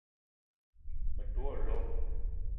Me te wo lo